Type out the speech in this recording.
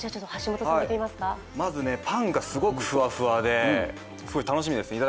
まずね、パンがすごくふわふわで、楽しみです。